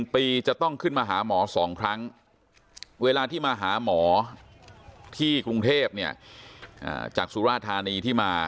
ปีจะต้องขึ้นมาหาหมอ๒ครั้งเวลาที่มาหาหมอที่กรุงเทพเนี่ยจากสุราธานีที่มา